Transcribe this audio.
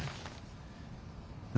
何？